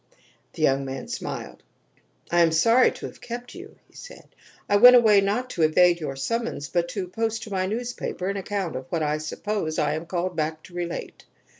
The young man smiled. "I am sorry to have kept you," he said. "I went away, not to evade your summons, but to post to my newspaper an account of what I suppose I am called back to relate."